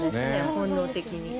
本能的に。